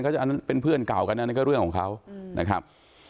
อันนั้นเป็นเพื่อนเก่ากันอันนั้นก็เรื่องของเขานะครับ